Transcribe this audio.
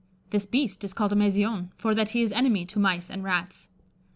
This beaste is called a 'Masion,' for that he is enimie to Myse and Rattes.